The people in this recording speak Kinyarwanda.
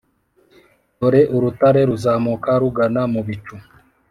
dore urutare ruzamuka rugana mu bicu!